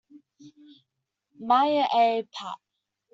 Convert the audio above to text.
Mayer A", "Pap.